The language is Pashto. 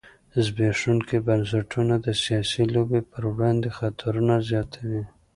زبېښونکي بنسټونه د سیاسي لوبې پر وړاندې خطرونه زیاتوي.